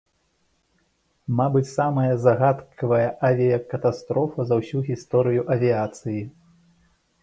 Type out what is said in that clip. Мабыць, самая загадкавая авіякатастрофа за ўсю гісторыю авіяцыі.